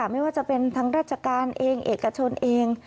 ไม่ว่าจะเป็นทางราชการเองเอกชนเอง